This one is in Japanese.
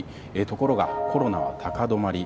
ところが、コロナは高止まり。